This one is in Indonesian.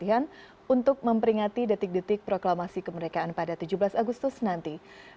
pemilihan untuk memperingati detik detik proklamasi kemerdekaan pada tujuh belas agustus nanti